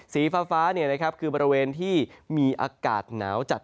สีฟ้าคือบริเวณที่มีอากาศหนาวจัด